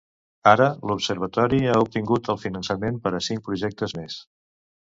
Ara l'Observatori ha obtingut el finançament per a cinc projectes més.